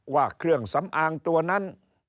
ว่าเครื่องสำอางตัวนั้น